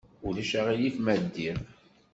Ulac aɣilif ma ddiɣ?